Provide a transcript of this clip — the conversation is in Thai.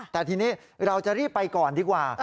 แต่ทีนี้เราจะรีบไปก่อนดีกว่า